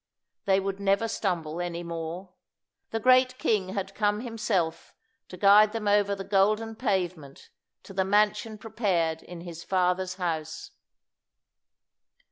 They would never stumble any more. The great King had come Himself to guide them over the golden pavement to the mansion prepared in His Father's house.